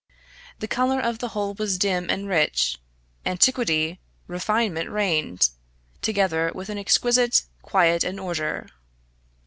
The colour of the whole was dim and rich; antiquity, refinement reigned, together with an exquisite quiet and order.